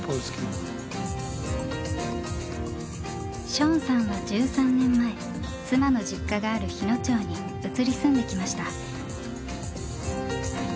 ショーンさんは１３年前妻の実家がある日野町に移り住んできました。